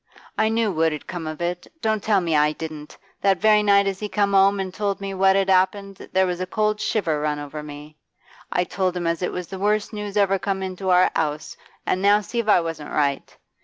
I knew what 'ud come of it, don't tell me I didn't. That very night as he come 'ome an' told me what had 'appened, there was a cold shiver run over me. I told him as it was the worst news ever come into our 'ouse, and now see if I wasn't right!